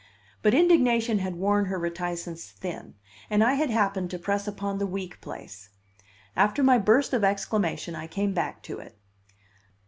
But indignation had worn her reticence thin, and I had happened to press upon the weak place. After my burst of exclamation I came back to it.